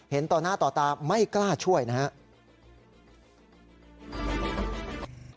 เห็นต่อหน้าต่อตาไม่กล้าช่วยนะฮะ